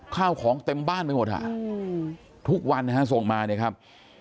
ข้าวของเต็มบ้านไปหมดอ่ะทุกวันนะฮะส่งมาเนี่ยครับ